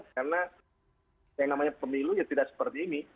karena yang namanya pemilu ya tidak seperti ini